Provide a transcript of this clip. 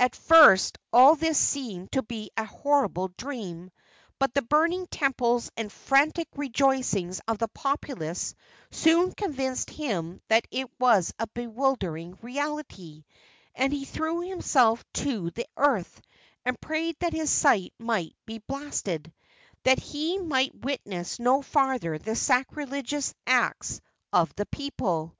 At first all this seemed to be a horrible dream, but the burning temples and frantic rejoicings of the populace soon convinced him that it was a bewildering reality, and he threw himself to the earth and prayed that his sight might be blasted, that he might witness no farther the sacrilegious acts of the people.